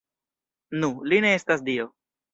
Nu, li ne estas dio